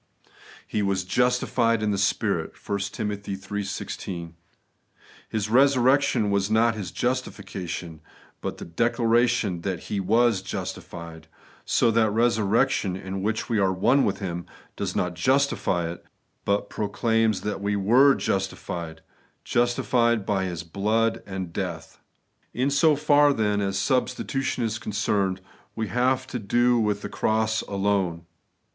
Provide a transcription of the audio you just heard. ' He was justified in the Spirit' (1 Tim. iii. 16). His resurrection was not His justification, but the declaration that He was 'justified;* so that resurrection, in which we are one with Him, does not justify us, but proclaims that we were justified, — justified by His blood and death.^ In so far, then, as substitution is concerned, we have to do with the cross alone.